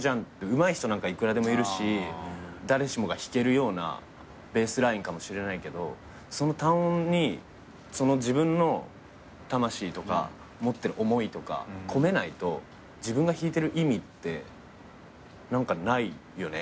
「うまい人なんかいくらでもいるし誰しもが弾けるようなベースラインかもしれないけどその単音に自分の魂とか持ってる思いとか込めないと自分が弾いてる意味って何かないよね」